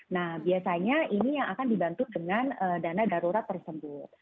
nah biasanya ini yang akan dibantu dengan dana darurat tersebut